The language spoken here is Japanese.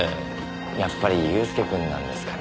やっぱり祐介くんなんですかね？